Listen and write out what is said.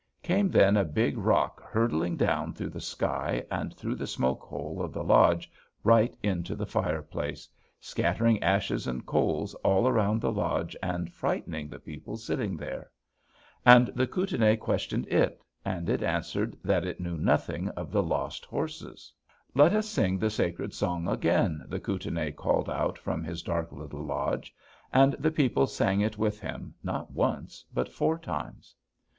Came then a big rock, hurtling down through the sky and through the smoke hole of the lodge right into the fireplace, scattering ashes and coals all around the lodge, and frightening the people sitting there. And the Kootenai questioned it, and it answered that it knew nothing of the lost horses. [Illustration: STREAM FROM UNNAMED GLACIER POURING INTO CUTBANK CAÑON] "'Let us sing the sacred song again,' the Kootenai called out from his dark little lodge, and the people sang it with him, not once, but four times.